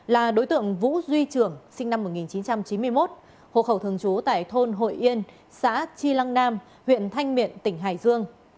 là đối tượng vũ duy trưởng sinh năm một nghìn chín trăm chín mươi một hộ khẩu thường trú tại thôn hội yên xã chi lăng nam huyện thanh miện tỉnh hải dương